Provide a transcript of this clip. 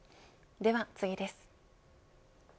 では次です。